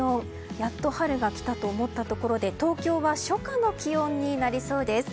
やっと春が来たと思ったところで東京は初夏の気温になりそうです。